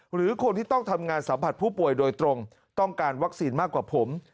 หรือคนที่ต้องทำงานสัมผัสผู้ป่วยโดยตรงต้องการวัคซีนมากกว่าผม